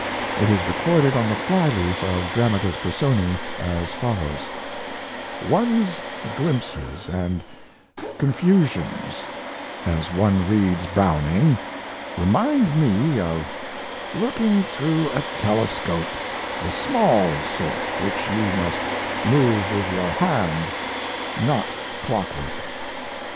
It is recorded on the fly leaf of Dramatis Personae as follows: One's glimpses & confusions, as one reads Browning, remind me of looking through a telescope (the small sort which you must move with your hand, not clock work).